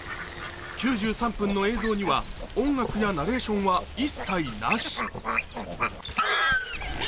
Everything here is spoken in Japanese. ９３分の映像には音楽やナレーションは一切なし。